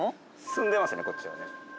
進んでますねこっちはね。